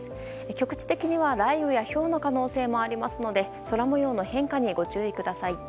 局地的には雷雨やひょうの可能性もありますので空模様の変化にご注意ください。